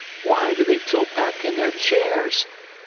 Why do they tilt back in their chairs?